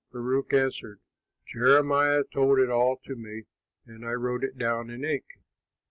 Baruch answered, "Jeremiah told it all to me and I wrote it down in ink."